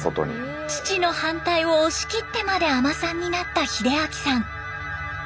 父の反対を押し切ってまで海人さんになった秀明さん。